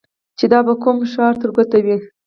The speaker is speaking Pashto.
چې دا به کوم ښار ګوټی وي.